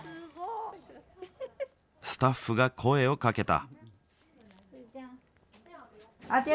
スタッフが声をかけた。